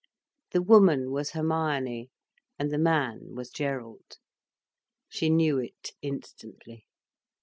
The woman was Hermione, and the man was Gerald. She knew it instantly.